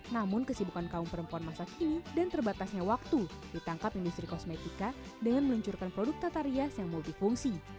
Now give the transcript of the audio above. namun kesibukan kaum perempuan masa kini dan terbatasnya waktu ditangkap industri kosmetika dengan meluncurkan produk tata rias yang multifungsi